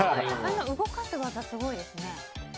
動かす技すごいですね。